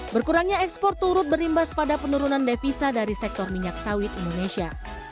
berkurangnya ekspor turut berimbas pada penurunan devisa dari sektor minyak sawit indonesia